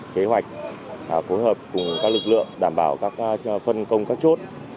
kế hoạch phối hợp cùng các lực lượng đảm bảo các phân công các chốt